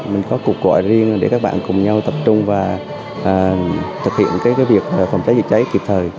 mình có cuộc gọi riêng để các bạn cùng nhau tập trung và thực hiện cái việc phòng cháy dịch cháy kịp thời